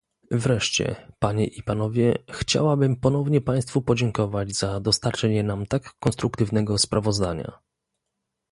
Wreszcie, panie i panowie, chciałabym ponownie państwu podziękować za dostarczenie nam tak konstruktywnego sprawozdania